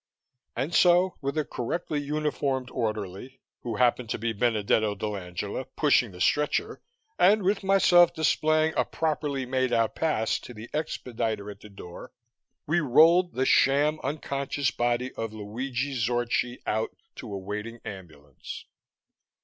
And so, with a correctly uniformed orderly, who happened to be Benedetto dell'Angela, pushing the stretcher, and with myself displaying a properly made out pass to the expediter at the door, we rolled the sham unconscious body of Luigi Zorchi out to a waiting ambulance.